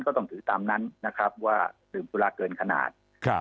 ก็ต้องถือตามนั้นว่าดื่มสุราเกินขนาด